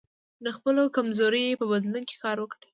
د خپلو کمزوریو په بدلون کار وکړئ.